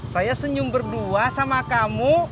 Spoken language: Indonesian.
saya senyum berdua sama kamu